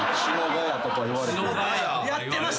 やってました。